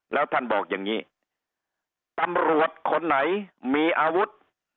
แล้วท่านบอกอย่างนี้ตำรวจคนไหนมีอาวุธ